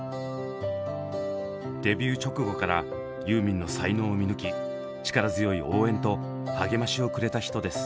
デビュー直後からユーミンの才能を見抜き力強い応援と励ましをくれた人です。